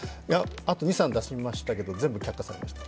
あと２３出しましたけれども、全部却下されました。